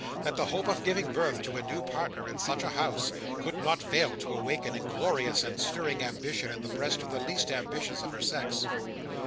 That the hope of giving birth to a new partner in such a House, could not fail to awaken a glorious and stirring ambition in the breast of the least ambitious of her sex.